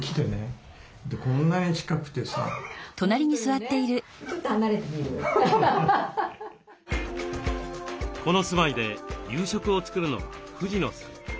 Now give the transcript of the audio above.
ここに来てねこの住まいで夕食を作るのは藤野さん。